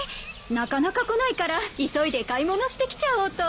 なかなか来ないから急いで買い物してきちゃおうと。